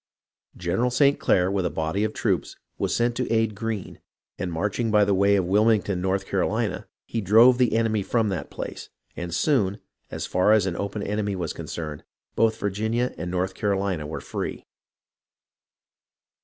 General St. Clair, with a body of troops, was sent to aid Greene, and marching by the way of Wilmington, North Carolina, he drove the enemy from that place ; and soon, as far as an open enemy was concerned, both Virginia and North Carolina were free.